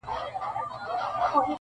اه بې خود د اسمان ستوري په لړزه کړي-